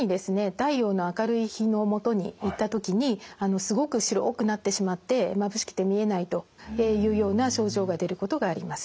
太陽の明るい日のもとに行った時にすごく白くなってしまってまぶしくて見えないというような症状が出ることがあります。